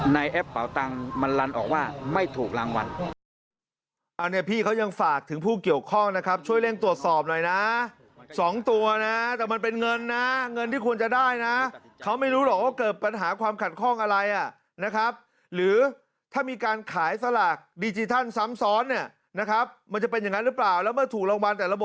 แอปเป่าตังค์มันลันออกว่าไม่ถูกรางวัล